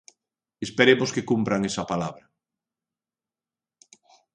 Esperemos que cumpran esa palabra.